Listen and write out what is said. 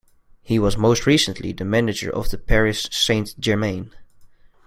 He was most recently the manager of Paris Saint-Germain.